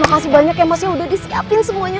masih banyak ya maksudnya udah disiapin semuanya